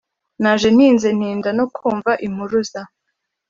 naje ntinze ntinda no kumva impuruza"